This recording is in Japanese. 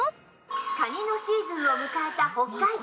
「カニのシーズンを迎えた北海道」。